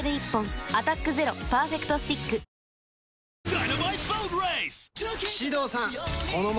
「アタックＺＥＲＯパーフェクトスティック」あっつ。